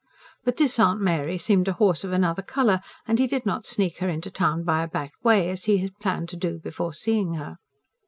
But this Aunt Mary seemed a horse of another colour; and he did not sneak her into town by a back way, as he had planned to do before seeing her.